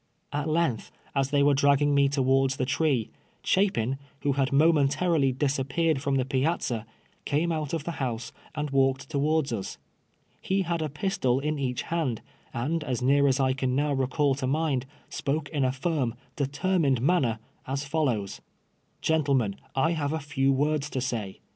At length, as they were dragging me towards the tree, Chapin, who had momentarily disappeared from the piazza, came out of the house and walked towards lis. He had a pistol in each hand, and as near as I can now recall to mind, spoke in a firm, determined manner, as fallows :'• Gentlemen, I have a few words to say.